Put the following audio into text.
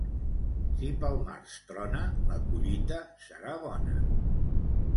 Si pel març trona, la collita serà bona.